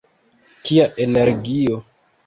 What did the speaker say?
Kia energio!